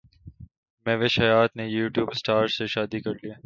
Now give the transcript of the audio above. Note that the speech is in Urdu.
مہوش حیات نے یوٹیوب اسٹار سے شادی کرلی